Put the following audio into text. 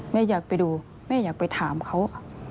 แม่อยากไปดูแม่อยากไปถามเขา